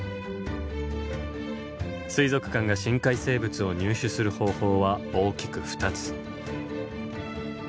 水族館が深海生物を入手する方法は大きく２つ。